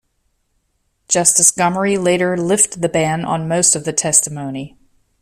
Justice Gomery later lifted the ban on most of the testimony.